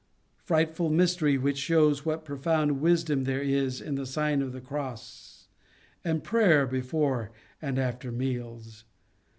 Frightful mys tery, which shows what profound wisdom there is in the Sign of the Cross and prayer before and after meals!